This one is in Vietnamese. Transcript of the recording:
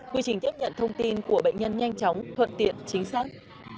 quy trình tiếp nhận thông tin của bệnh nhân nhanh chóng thuận tiện chính xác